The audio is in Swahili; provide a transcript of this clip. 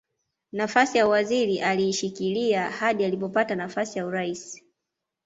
Nafasi ya uwaziri aliishikilia hadi alipopata nafasi ya urais